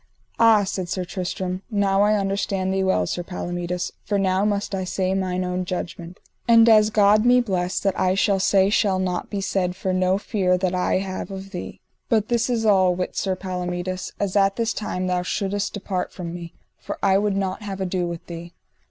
Ah, said Sir Tristram, now I understand thee well, Sir Palomides, for now must I say mine own judgment, and as God me bless, that I shall say shall not be said for no fear that I have of thee. But this is all: wit Sir Palomides, as at this time thou shouldest depart from me, for I would not have ado with thee.